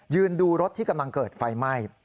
ยืนดูรถที่กำลังเกิดไฟไหม้